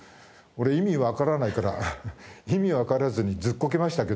俺意味わからないから意味わからずにずっこけましたけど。